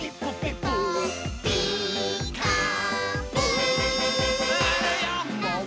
「ピーカーブ！」